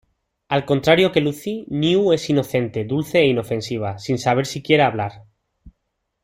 Al contrario que Lucy, Nyu es inocente, dulce e inofensiva, sin saber siquiera hablar.